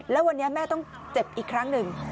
แล้ววันนี้แม่ต้องเจ็บอีกครั้งหนึ่ง